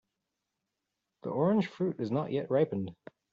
The orange fruit is not yet ripened.